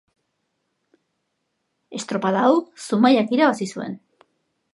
Estropada hau Zumaiak irabazi zuen.